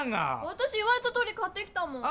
わたし言われたとおり買ってきたもん！